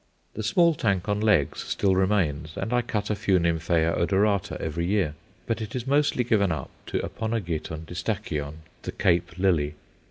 The small tank on legs still remains, and I cut a few Nymphæa odorata every year. But it is mostly given up to Aponogeton distachyon the "Cape lily."